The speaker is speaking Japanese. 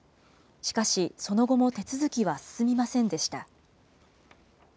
しかし、その後も手続きは進みませんでした。